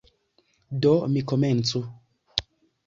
Do, mi komencu!